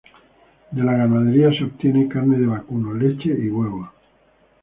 De la ganadería se obtiene carne de vacuno, leche y huevos.